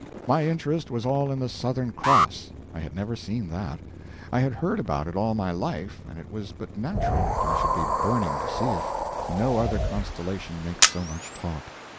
My interest was all in the Southern Cross. I had never seen that. I had heard about it all my life, and it was but natural that I should be burning to see it. No other constellation makes so much talk.